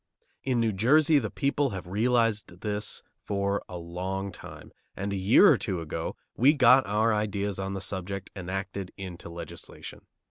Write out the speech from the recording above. In New Jersey the people have realized this for a long time, and a year or two ago we got our ideas on the subject enacted into legislation.